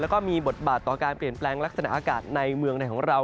แล้วก็มีบทบาทต่อการเปลี่ยนแปลงลักษณะอากาศในเมืองในของเรา